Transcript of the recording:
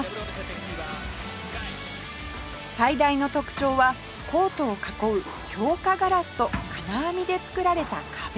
最大の特徴はコートを囲う強化ガラスと金網で作られた壁